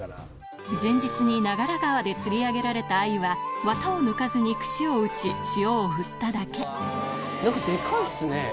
前日に長良川で釣り上げられた鮎はわたを抜かずに串を打ち塩を振っただけなんかでかいですね。